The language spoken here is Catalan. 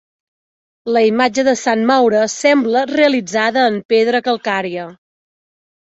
La imatge de Sant Maure sembla realitzada en pedra calcària.